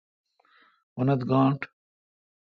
اونتھ گاݨڈ